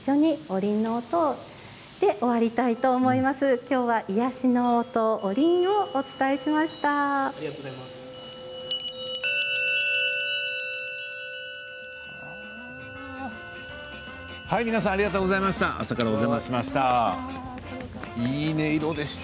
りんの音皆さんありがとうございました。